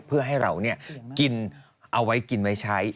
เพื่อให้เรากินเอาไว้กินไว้ใช้